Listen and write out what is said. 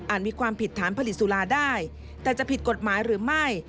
มีความผิดฐานผลิตสุราได้แต่จะผิดกฎหมายหรือไม่